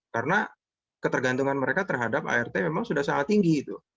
karena ketergantungan mereka terhadap art memang sudah sangat tinggi